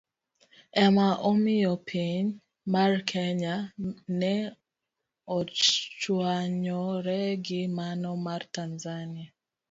Ema omiyo piny mar Kenya ne ochwanyore gi mano mar Tanzania.